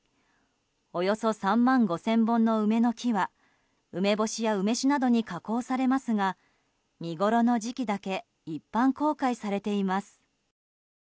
およそ３万５０００本の梅の木は梅干しや梅酒などに加工されますが見ごろの時期だけ一般公開されています。